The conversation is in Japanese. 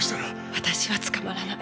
私は捕まらない。